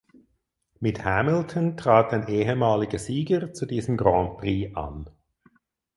Mit Hamilton trat ein ehemaliger Sieger zu diesem Grand Prix an.